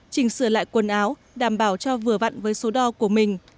chỉnh sửa lại quần áo đảm bảo cho vừa vặn với số đo của mình